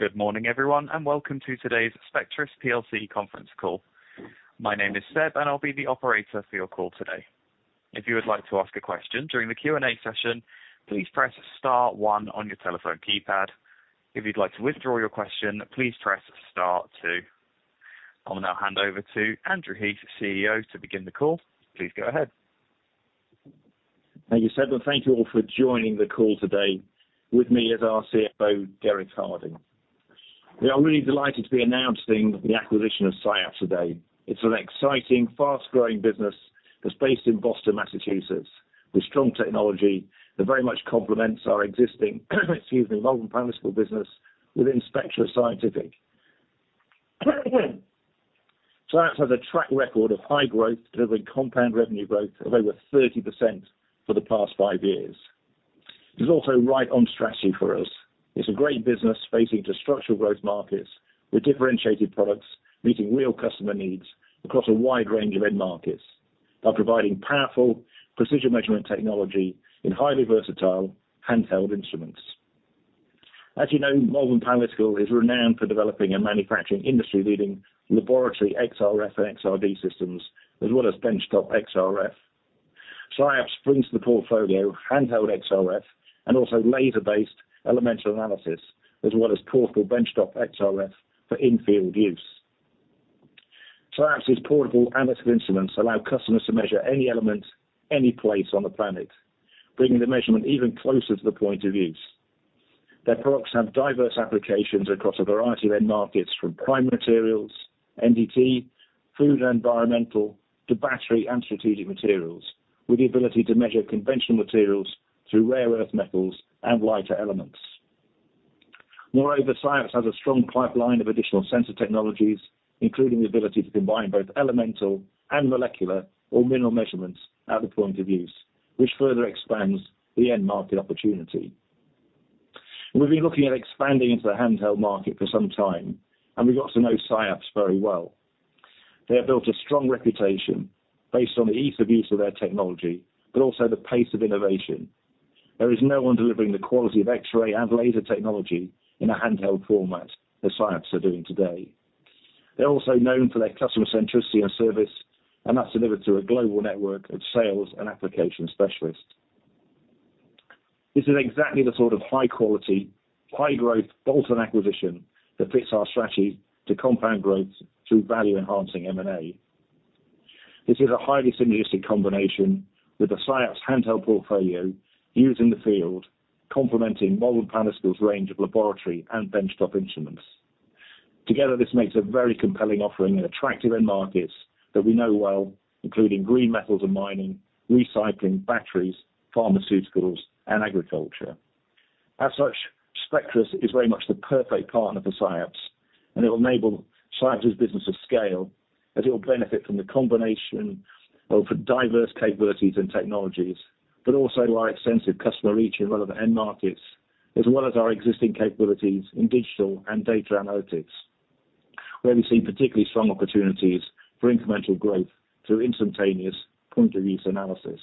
Good morning, everyone, and welcome to today's Spectris plc Conference Call. My name is Seb, and I'll be the operator for your call today. If you would like to ask a question during the Q&A session, please press star one on your telephone keypad. If you'd like to withdraw your question, please press star two. I'll now hand over to Andrew Heath, CEO, to begin the call. Please go ahead. Thank you, Seb, and thank you all for joining the call today. With me is our CFO, Derek Harding. We are really delighted to be announcing the acquisition of SciAps today. It's an exciting, fast-growing business that's based in Boston, Massachusetts, with strong technology that very much complements our existing, excuse me, Malvern Panalytical within Spectris Scientific. SciAps has a track record of high growth, delivering compound revenue growth of over 30% for the past five years. It's also right on strategy for us. It's a great business facing disruptive growth markets with differentiated products meeting real customer needs across a wide range of end markets by providing powerful precision measurement technology in highly versatile handheld instruments. As you know, Malvern Panalytical is renowned for developing manufacturing industry-leading laboratory XRF and XRD systems, as well as benchtop XRF. SciAps brings to the portfolio handheld XRF and also laser-based elemental analysis, as well as portable benchtop XRF for in-field use. SciAps's portable and LIBS instruments allow customers to measure any element, any place on the planet, bringing the measurement even closer to the point of use. Their products have diverse applications across a variety of end markets, from primary materials, NDT, food and environmental, to battery and strategic materials, with the ability to measure conventional materials through rare earth metals and lighter elements. Moreover, SciAps has a strong pipeline of additional sensor technologies, including the ability to combine both elemental and molecular or mineral measurements at the point of use, which further expands the end market opportunity. We've been looking at expanding into the handheld market for some time, and we got to know SciAps very well. They have built a strong reputation based on the ease of use of their technology, but also the pace of innovation. There is no one delivering the quality of X-ray and laser technology in a handheld format that SciAps are doing today. They're also known for their customer centricity and service, and that's delivered through a global network of sales and application specialists. This is exactly the sort of high-quality, high-growth bolt-on acquisition that fits our strategy to compound growth through value-enhancing M&A. This is a highly synergistic combination with the SciAps handheld portfolio used in the field, complementing Malvern Panalytical's range of laboratory and benchtop instruments. Together, this makes a very compelling offering in attractive end markets that we know well, including green metals and mining, recycling, batteries, pharmaceuticals, and agriculture. As such, Spectris is very much the perfect partner for SciAps, and it will enable SciAps's business to scale, as it will benefit from the combination of diverse capabilities and technologies, but also our extensive customer reach in relevant end markets, as well as our existing capabilities in digital and data analytics, where we see particularly strong opportunities for incremental growth through instantaneous point-of-use analysis.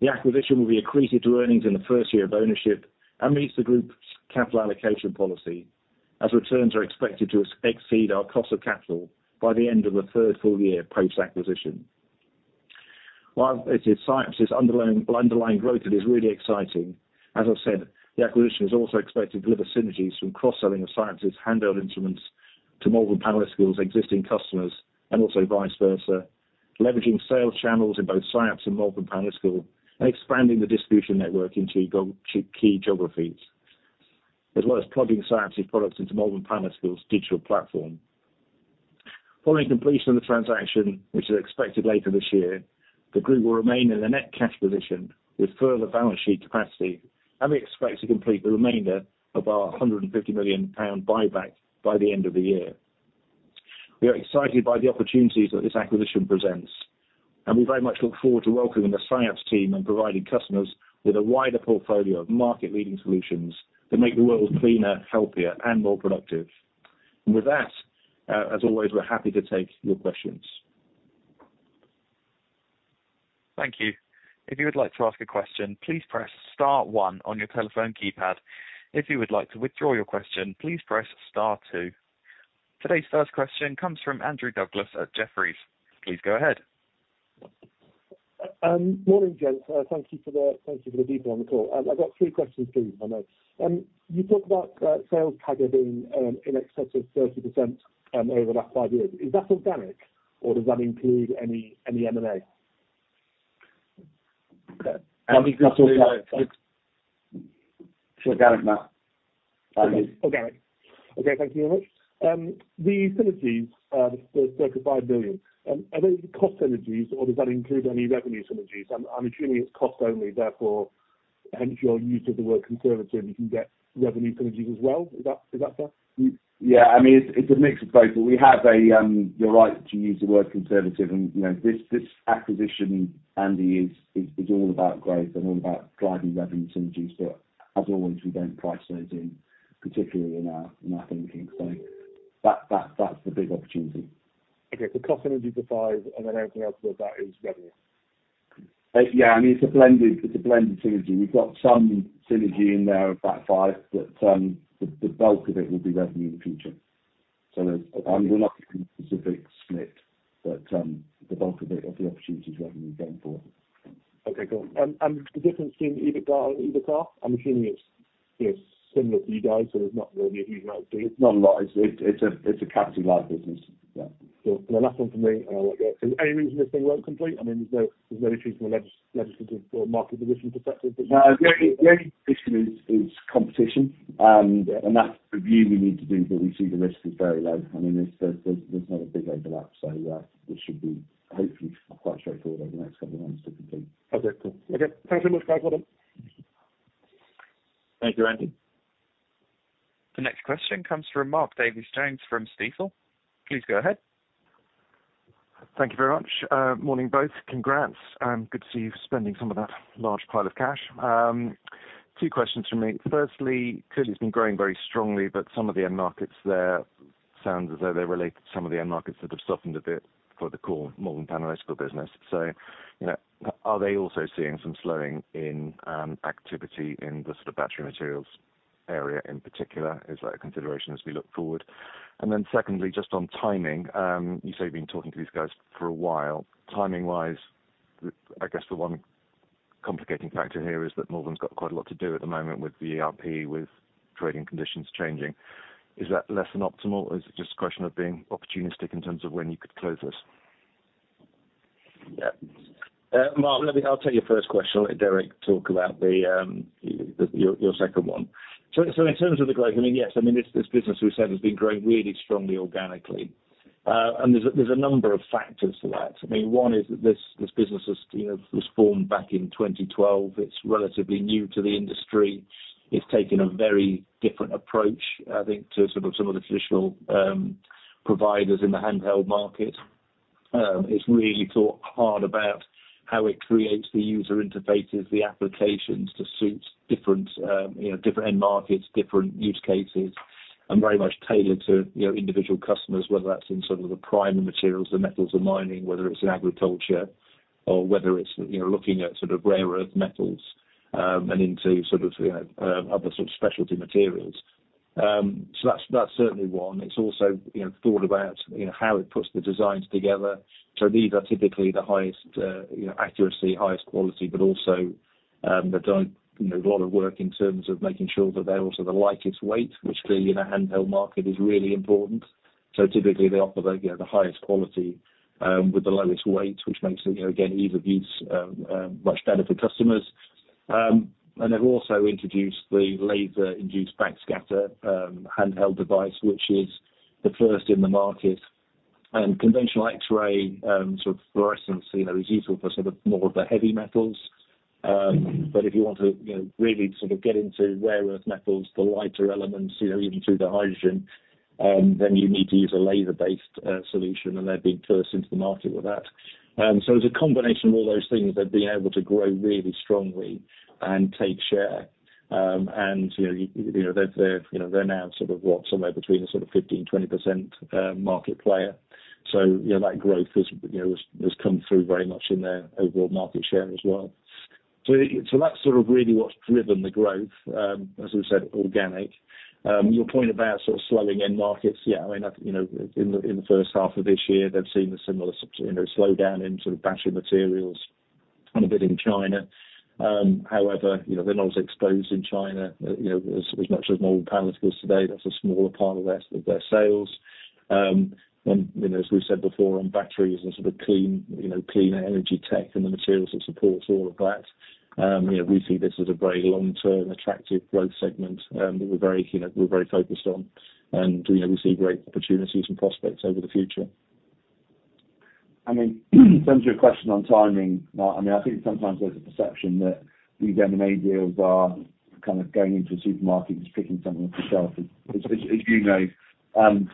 The acquisition will be accretive to earnings in the first year of ownership and meets the group's capital allocation policy, as returns are expected to exceed our cost of capital by the end of the third full year post-acquisition. While it is SciAps's underlying growth that is really exciting, as I've said, the acquisition is also expected to deliver synergies from cross-selling of SciAps's handheld instruments to Malvern Panalytical's existing customers and also vice versa, leveraging sales channels in both SciAps and Malvern Panalytical and expanding the distribution network into key geographies, as well as plugging SciAps's products into Malvern Panalytical's digital platform. Following completion of the transaction, which is expected later this year, the group will remain in the net cash position with further balance sheet capacity, and we expect to complete the remainder of our 150 million pound buyback by the end of the year. We are excited by the opportunities that this acquisition presents, and we very much look forward to welcoming the SciAps team and providing customers with a wider portfolio of market-leading solutions that make the world cleaner, healthier, and more productive. With that, as always, we're happy to take your questions. Thank you. If you would like to ask a question, please press star one on your telephone keypad. If you would like to withdraw your question, please press star two. Today's first question comes from Andrew Douglas at Jefferies. Please go ahead. Morning, gents. Thank you for the detail on the call. I've got three questions, please, if I may. You talked about sales growth being in excess of 30% over the last five years. Is that organic, or does that include any M&A? That's organic. Organic. Okay. Thank you very much. The synergies, the circa 5 million, are those cost synergies, or does that include any revenue synergies? I'm assuming it's cost only, therefore, hence your use of the word conservative. You can get revenue synergies as well. Is that fair? Yeah. I mean, it's a mix of both, but we have a—you're right to use the word conservative. And this acquisition, Andy, is all about growth and all about driving revenue synergies. But as always, we don't price those in, particularly in our thinking. So that's the big opportunity. Okay. So cost synergy for 5, and then everything else above that is revenue? Yeah. I mean, it's a blended synergy. We've got some synergy in there of that 5, but the bulk of it will be revenue in the future. So we're not getting a specific split, but the bulk of it of the opportunity is revenue going forward. Okay. Cool. The difference between EBITDA and EBITA, I'm assuming it's similar for you guys, so there's not really a huge amount to do? It's not a lot. It's a capital-light business. Yeah. Cool. And the last one for me, and I'll let you go. Is there any reason this thing won't complete? I mean, there's no issues from a legislative or market position perspective that you— No. The only issue is competition, and that's the view we need to do, but we see the risk is very low. I mean, there's not a big overlap, so this should be hopefully quite straightforward over the next couple of months to complete. Okay. Cool. Okay. Thanks very much, guys. Well done. Thank you, Andy. The next question comes from Mark Davies Jones from Stifel. Please go ahead. Thank you very much. Morning, both. Congrats. Good to see you spending some of that large pile of cash. Two questions for me. Firstly, clearly it's been growing very strongly, but some of the end markets there sounds as though they're related to some of the end markets that have softened a bit for the core Malvern Panalytical business. So are they also seeing some slowing in activity in the sort of battery materials area in particular? Is that a consideration as we look forward? And then secondly, just on timing, you say you've been talking to these guys for a while. Timing-wise, I guess the one complicating factor here is that Malvern Panalytical has got quite a lot to do at the moment with the ERP, with trading conditions changing. Is that less than optimal, or is it just a question of being opportunistic in terms of when you could close this? Yeah. Mark, I'll take your first question. Let Derek talk about your second one. So in terms of the growth, I mean, yes. I mean, this business, as we said, has been growing really strongly organically. And there's a number of factors to that. I mean, one is that this business was formed back in 2012. It's relatively new to the industry. It's taken a very different approach, I think, to sort of some of the traditional providers in the handheld market. It's really thought hard about how it creates the user interfaces, the applications to suit different end markets, different use cases, and very much tailored to individual customers, whether that's in sort of the primary materials, the metals and mining, whether it's in agriculture, or whether it's looking at sort of rare earth metals and into sort of other sort of specialty materials. So that's certainly one. It's also thought about how it puts the designs together. So these are typically the highest accuracy, highest quality, but also they've done a lot of work in terms of making sure that they're also the lightest weight, which the handheld market is really important. So typically, they offer the highest quality with the lowest weight, which makes it, again, ease of use much better for customers. And they've also introduced the laser-induced breakdown handheld device, which is the first in the market. And conventional X-ray fluorescence is useful for sort of more of the heavy metals. But if you want to really sort of get into rare earth metals, the lighter elements, even through the hydrogen, then you need to use a laser-based solution, and they've been first into the market with that. So it's a combination of all those things that have been able to grow really strongly and take share. And they're now sort of what? Somewhere between a sort of 15%-20% market player. So that growth has come through very much in their overall market share as well. So that's sort of really what's driven the growth, as we said, organic. Your point about sort of slowing end markets, yeah, I mean, in the first half of this year, they've seen a similar slowdown in sort of battery materials and a bit in China. However, they're not as exposed in China as much as Malvern Panalytical today. That's a smaller part of their sales. As we've said before on batteries and sort of clean energy tech and the materials that support all of that, we see this as a very long-term attractive growth segment that we're very focused on. We see great opportunities and prospects over the future. I mean, in terms of your question on timing, Mark, I mean, I think sometimes there's a perception that these M&A deals are kind of going into a supermarket and just picking something off the shelf. As you know,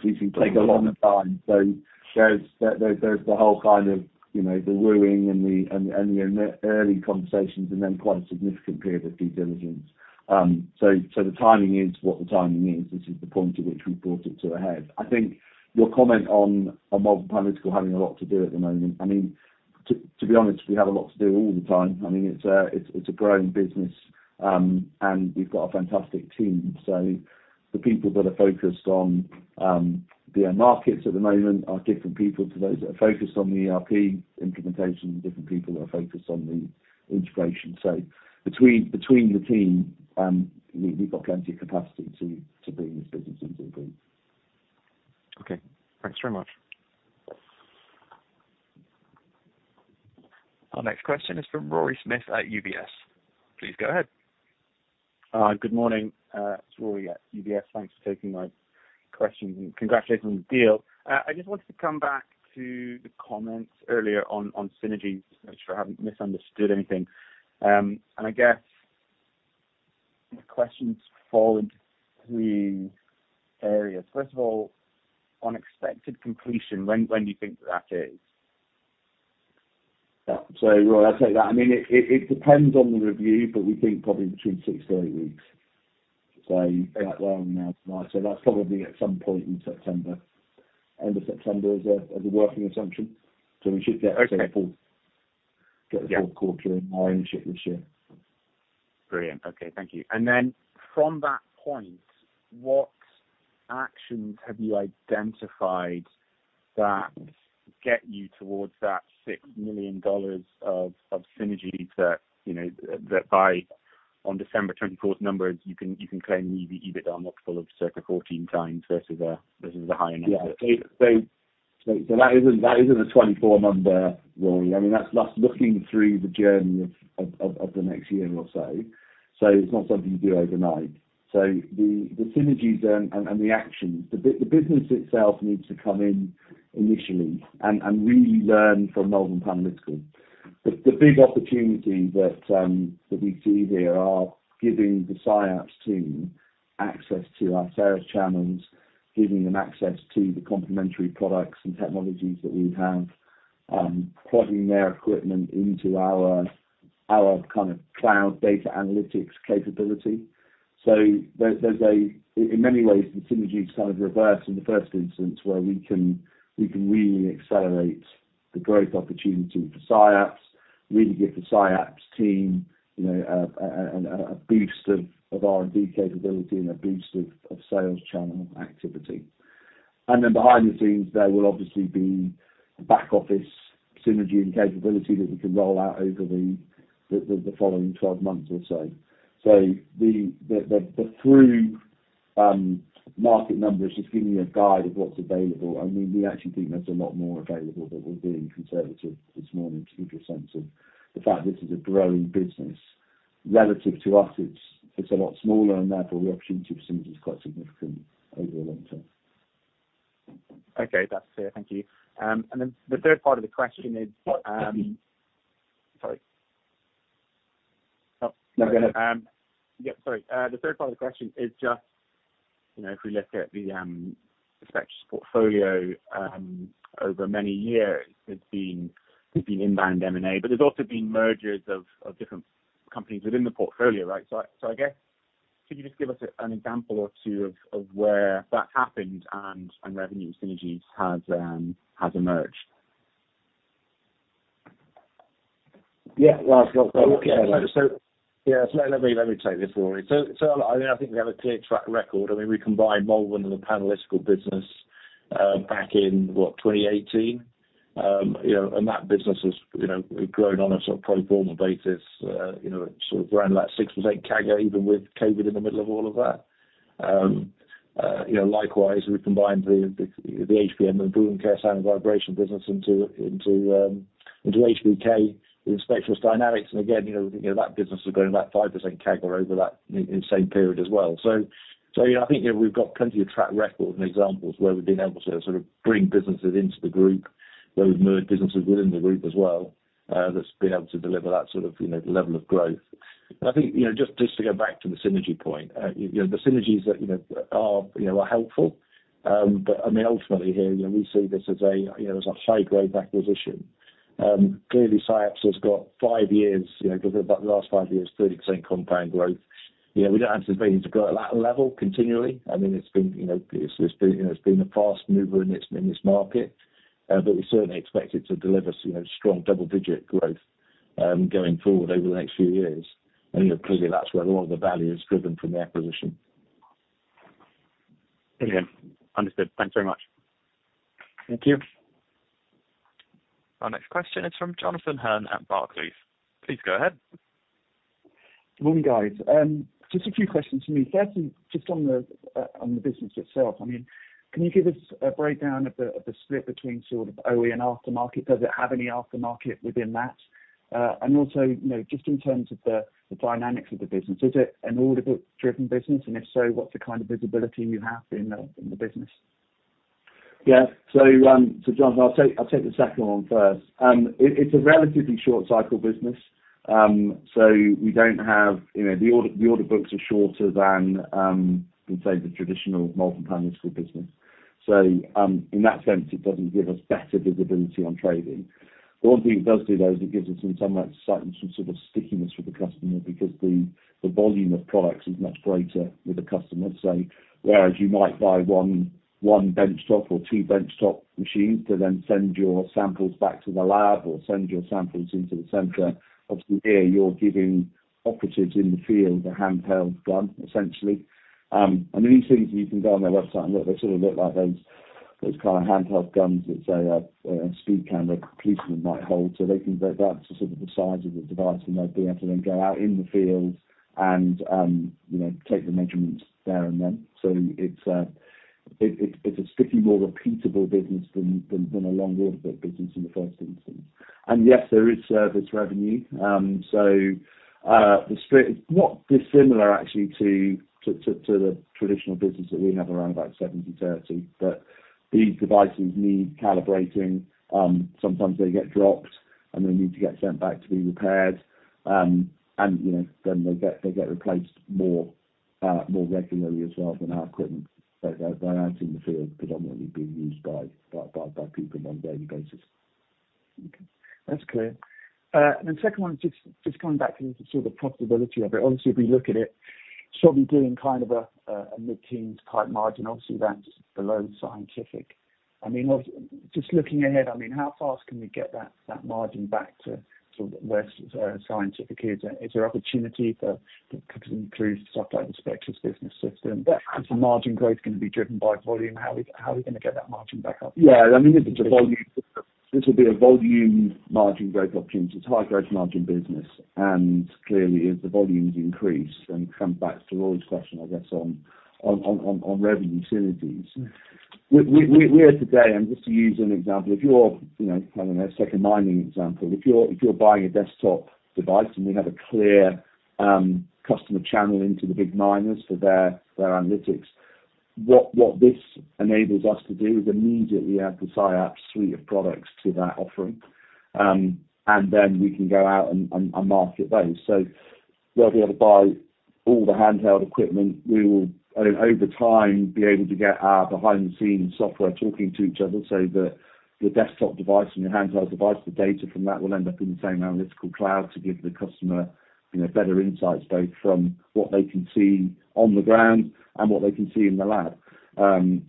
these things take a long time. There's the whole kind of the wooing and the early conversations and then quite a significant period of due diligence. The timing is what the timing is. This is the point at which we've brought it to a head. I think your comment on Malvern Panalytical having a lot to do at the moment, I mean, to be honest, we have a lot to do all the time. I mean, it's a growing business, and we've got a fantastic team. So the people that are focused on the end markets at the moment are different people to those that are focused on the ERP implementation and different people that are focused on the integration. So between the team, we've got plenty of capacity to bring this business into the fold. Okay. Thanks very much. Our next question is from Rory Smith at UBS. Please go ahead. Hi. Good morning. It's Rory at UBS. Thanks for taking my questions. Congratulations on the deal. I just wanted to come back to the comments earlier on synergies, just to make sure I haven't misunderstood anything. And I guess the questions fall into three areas. First of all, on expected completion, when do you think that is? Yeah. So Rory, I'll take that. I mean, it depends on the review, but we think probably between 6 to 8 weeks. So where are we now? So that's probably at some point in September, end of September, as a working assumption. So we should get the full quarter in our ownership this year. Brilliant. Okay. Thank you. Then from that point, what actions have you identified that get you towards that $6 million of synergies that by on December 2024 numbers, you can claim an EBITDA multiple of circa 14x versus the higher numbers? Yeah. So that isn't a 2024 number, Rory. I mean, that's looking through the journey of the next year or so. So it's not something you do overnight. So the synergies and the actions, the business itself needs to come in initially and really learn from Malvern Panalytical. The big opportunity that we see here is giving the SciAps team access to our sales channels, giving them access to the complementary products and technologies that we have, plugging their equipment into our kind of cloud data analytics capability. So in many ways, the synergies kind of reverse in the first instance, where we can really accelerate the growth opportunity for SciAps, really give the SciAps team a boost of R&D capability and a boost of sales channel activity. Then behind the scenes, there will obviously be back office synergy and capability that we can roll out over the following 12 months or so. The through market numbers just give you a guide of what's available. I mean, we actually think there's a lot more available, but we're being conservative this morning with respect to the fact this is a growing business. Relative to us, it's a lot smaller, and therefore, the opportunity for synergies is quite significant over the long term. Okay. That's clear. Thank you. And then the third part of the question is. Sorry. No, go ahead. Yeah. Sorry. The third part of the question is just if we look at the Spectris portfolio over many years, there's been inbound M&A, but there's also been mergers of different companies within the portfolio, right? So I guess could you just give us an example or two of where that's happened and revenue synergies have emerged? Yeah. Well, yeah. Let me take this, Rory. So I mean, I think we have a clear track record. I mean, we combined Malvern Panalytical and the analytical business back in, what, 2018? And that business has grown on a sort of pro-forma basis, sort of around that 6% CAGR, even with COVID in the middle of all of that. Likewise, we combined the HBM and the Brüel & Kjær Sound and Vibration business into HBK with Spectris Dynamics. And again, that business has grown about 5% CAGR over that same period as well. So I think we've got plenty of track record and examples where we've been able to sort of bring businesses into the group, where we've merged businesses within the group as well, that's been able to deliver that sort of level of growth. And I think just to go back to the synergy point, the synergies are helpful. But I mean, ultimately here, we see this as a high-growth acquisition. Clearly, SciAps has got five years, for the last five years, 30% compound growth. We don't have to be at that level continually. I mean, it's been a fast mover in this market, but we certainly expect it to deliver strong double-digit growth going forward over the next few years. And clearly, that's where a lot of the value is driven from the acquisition. Brilliant. Understood. Thanks very much. Thank you. Our next question is from Jonathan Hearn at Barclays. Please go ahead. Morning, guys. Just a few questions for me. Firstly, just on the business itself, I mean, can you give us a breakdown of the split between sort of OE and aftermarket? Does it have any aftermarket within that? And also, just in terms of the dynamics of the business, is it an order-book-driven business? And if so, what's the kind of visibility you have in the business? Yeah. So Jonathan, I'll take the second one first. It's a relatively short-cycle business. So we don't have the order books are shorter than, we'd say, the traditional multiple analytical business. So in that sense, it doesn't give us better visibility on trading. The one thing it does do, though, is it gives us some sort of stickiness with the customer because the volume of products is much greater with the customers. So whereas you might buy one benchtop or two benchtop machines to then send your samples back to the lab or send your samples into the center, obviously, here you're giving operatives in the field a handheld gun, essentially. And these things, you can go on their website and look. They sort of look like those kind of handheld guns that say a speed camera policeman might hold. So they can go back to sort of the size of the device, and they'll be able to then go out in the field and take the measurements there and then. So it's a sticky, more repeatable business than a long-order-book business in the first instance. And yes, there is service revenue. So it's not dissimilar, actually, to the traditional business that we have around about 70/30. But these devices need calibrating. Sometimes they get dropped, and they need to get sent back to be repaired. And then they get replaced more regularly as well than our equipment. They're out in the field, predominantly being used by people on a daily basis. Okay. That's clear. And the second one is just coming back to the sort of profitability of it. Obviously, if we look at it, it's probably doing kind of a mid-teens type margin. Obviously, that's below scientific. I mean, just looking ahead, I mean, how fast can we get that margin back to where scientific is? Is there opportunity for companies to include stuff like the Spectris Business System? Is the margin growth going to be driven by volume? How are we going to get that margin back up? Yeah. I mean, this will be a volume margin growth opportunity. It's a high-growth margin business. And clearly, as the volumes increase, then it comes back to Rory's question, I guess, on revenue synergies. We're today, and just to use an example, if you're—I don't know—take a mining example. If you're buying a desktop device and we have a clear customer channel into the big miners for their analytics, what this enables us to do is immediately add the SciAps suite of products to that offering. And then we can go out and market those. So we'll be able to buy all the handheld equipment. We will, over time, be able to get our behind-the-scenes software talking to each other so that your desktop device and your handheld device, the data from that will end up in the same analytical cloud to give the customer better insights, both from what they can see on the ground and what they can see in the lab.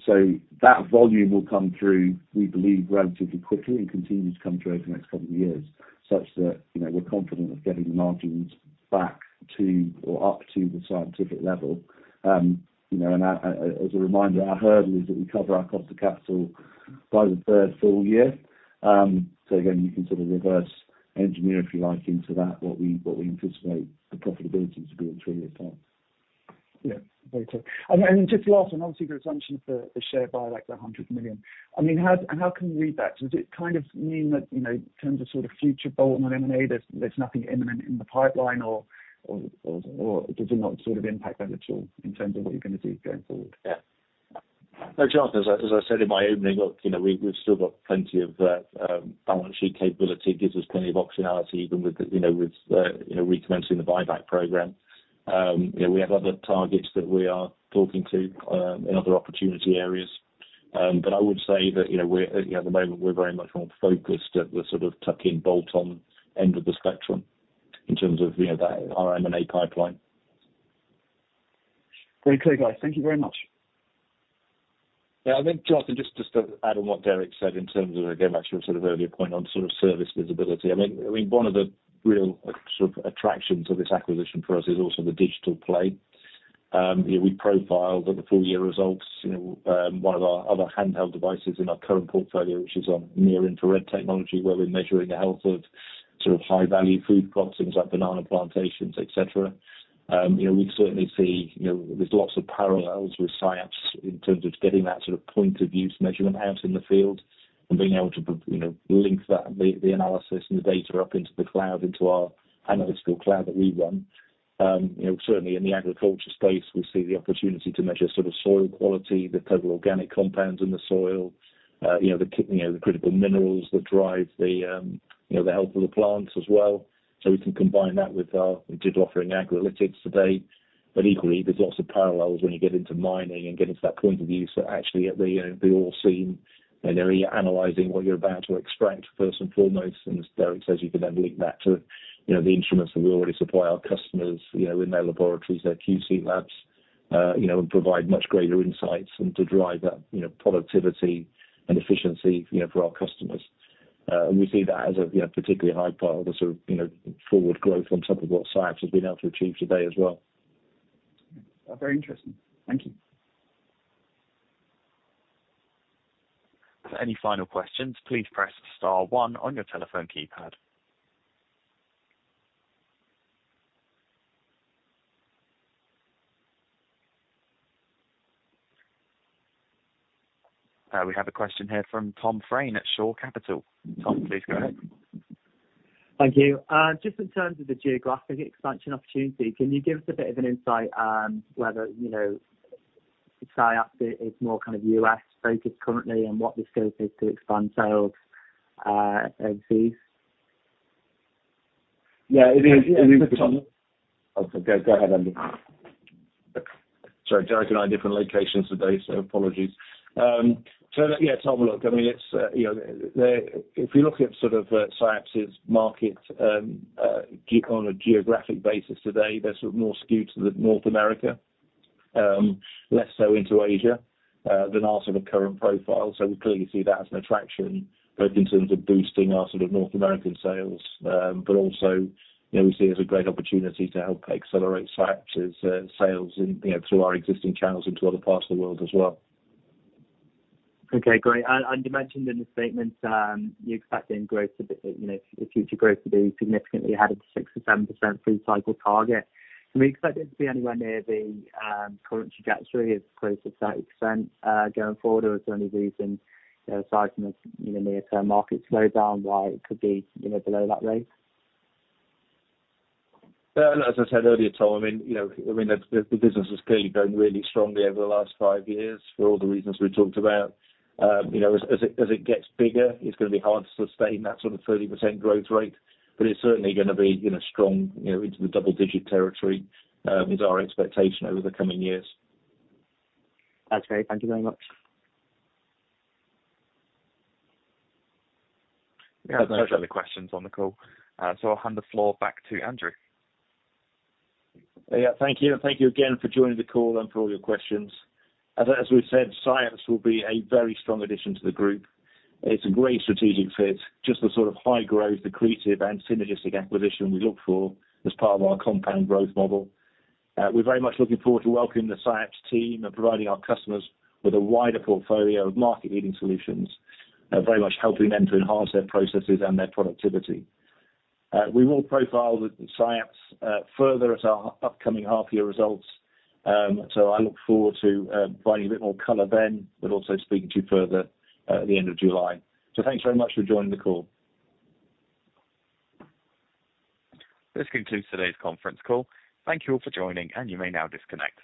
So that volume will come through, we believe, relatively quickly and continue to come through over the next couple of years, such that we're confident of getting the margins back to or up to the scientific level. And as a reminder, our hurdle is that we cover our cost of capital by the third full year. So again, you can sort of reverse engineer, if you like, into that what we anticipate the profitability to be in three years' time. Yeah. Very clear. And then just the last one, obviously, the assumption of the share buyback, the 100 million. I mean, how can we read that? Does it kind of mean that in terms of sort of future bolt-on and M&A, there's nothing imminent in the pipeline, or does it not sort of impact that at all in terms of what you're going to do going forward? Yeah. No, Jonathan, as I said in my opening look, we've still got plenty of balance sheet capability. It gives us plenty of optionality, even with recommencing the buyback program. We have other targets that we are talking to in other opportunity areas. But I would say that at the moment, we're very much more focused at the sort of tuck-in bolt-on end of the spectrum in terms of our M&A pipeline. Very clear, guys. Thank you very much. Yeah. I think, Jonathan, just to add on what Derek said in terms of, again, back to your sort of earlier point on sort of service visibility. I mean, one of the real sort of attractions of this acquisition for us is also the digital play. We've profiled at the full-year results one of our other handheld devices in our current portfolio, which is on near-infrared technology, where we're measuring the health of sort of high-value food crops, things like banana plantations, etc. We certainly see there's lots of parallels with SciAps in terms of getting that sort of point-of-use measurement out in the field and being able to link the analysis and the data up into the cloud, into our analytical cloud that we run. Certainly, in the agriculture space, we see the opportunity to measure sort of soil quality, the total organic compounds in the soil, the critical minerals that drive the health of the plants as well. So we can combine that with our digital offering Agri-Analytics today. But equally, there's lots of parallels when you get into mining and get into that point of view so that actually at the ore stream and you're analyzing what you're about to extract, first and foremost. And as Derek says, you can then link that to the instruments that we already supply our customers in their laboratories, their QC labs, and provide much greater insights and to drive that productivity and efficiency for our customers. And we see that as a particularly high potential for a sort of forward growth on top of what SciAps has been able to achieve today as well. Very interesting. Thank you. For any final questions, please press star one on your telephone keypad. We have a question here from Tom Fraine at Shore Capital. Tom, please go ahead. Thank you. Just in terms of the geographic expansion opportunity, can you give us a bit of an insight whether SciAps is more kind of U.S.-focused currently and what the scope is to expand sales overseas? Yeah. It is, but. For Tom? Oh, go ahead, Andrew. Sorry. Derek and I are in different locations today, so apologies. Yeah. Tom, look, I mean, if we look at sort of SciAps's market on a geographic basis today, they're sort of more skewed to North America, less so into Asia than our sort of current profile. So we clearly see that as an attraction, both in terms of boosting our sort of North American sales, but also we see it as a great opportunity to help accelerate SciAps's sales through our existing channels into other parts of the world as well. Okay. Great. And you mentioned in the statements you expect the future growth to be significantly ahead of the 6%-7% through-cycle target. Can we expect it to be anywhere near the current trajectory of close to 30% going forward, or is there any reason aside from the near-term market slowdown why it could be below that rate? As I said earlier, Tom, I mean, the business has clearly grown really strongly over the last five years for all the reasons we talked about. As it gets bigger, it's going to be hard to sustain that sort of 30% growth rate, but it's certainly going to be strong into the double-digit territory is our expectation over the coming years. That's great. Thank you very much. We have no further questions on the call. I'll hand the floor back to Andrew. Yeah. Thank you. Thank you again for joining the call and for all your questions. As we've said, SciAps will be a very strong addition to the group. It's a great strategic fit. Just the sort of high-growth, accretive, and synergistic acquisition we look for as part of our compound growth model. We're very much looking forward to welcoming the SciAps team and providing our customers with a wider portfolio of market-leading solutions, very much helping them to enhance their processes and their productivity. We will profile SciAps further at our upcoming half-year results. I look forward to providing a bit more color then, but also speaking to you further at the end of July. Thanks very much for joining the call. This concludes today's conference call. Thank you all for joining, and you may now disconnect.